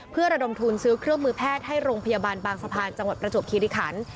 เพื่อระดมทุนซื้อเครื่องมือแพทย์ให้โรงพยาบาลบางสะพานจังหวัดประจวบคิริขัน